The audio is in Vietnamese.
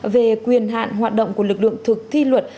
về quyền hạn hoạt động của lực lượng thực thi luật